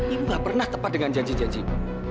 ibu gak pernah tepat dengan janji janji ibu